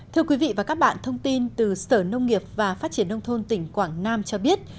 thưa quý vị và các bạn thông tin từ sở nông nghiệp và phát triển nông thôn tỉnh quảng nam cho biết